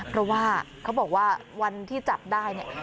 เพราะว่าเขาบอกว่าวันที่จับได้เนี่ย